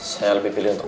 saya lebih pilih untuk